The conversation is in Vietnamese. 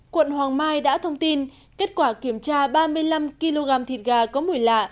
quận hoàng mai đã thông tin kết quả kiểm tra ba mươi năm kg thịt gà có mùi lạ